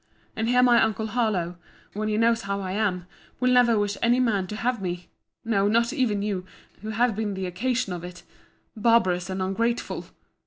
And here my uncle Harlowe, when he knows how I am, will never wish any man to have me: no, not even you, who have been the occasion of it—barbarous and ungrateful!